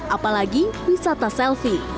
apalagi wisata selfie